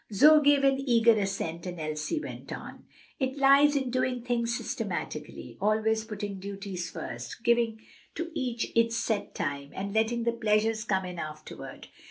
Zoe gave an eager assent, and Elsie went on: "It lies in doing things systematically, always putting duties first, giving to each its set time, and letting the pleasures come in afterward.